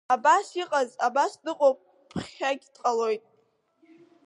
Абас иҟаз, абас дыҟоуп, ԥхьагь дҟалоит…